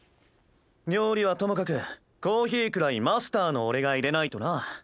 料理はともかくコーヒーくらいマスターの俺がいれないとな。